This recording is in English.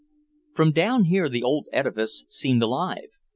From down here the old edifice seemed alive.